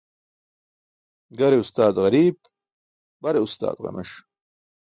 Gare ustaat ġariib, bare ustaat ġames